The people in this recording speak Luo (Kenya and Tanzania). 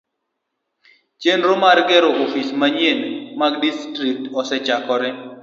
Chenro mar gero ofis manyien mag distrikt osechakore.